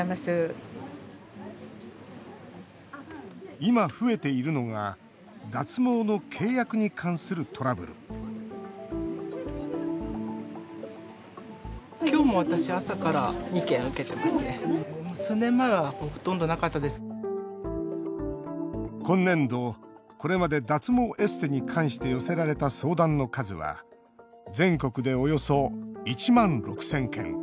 今、増えているのが脱毛の契約に関するトラブル今年度、これまで脱毛エステに関して寄せられた相談の数は全国で、およそ１万６０００件。